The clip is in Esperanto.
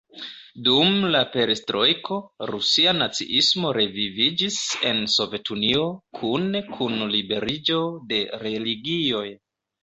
Dum la Perestrojko, Rusia naciismo reviviĝis en Sovetunio, kune kun liberiĝo de religioj.